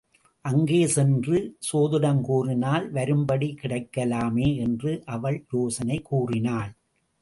அங்கே சென்று சோதிடம் கூறினால், வரும்படி கிடைக்கலாமே என்று அவள் யோசனை கூறினாள்.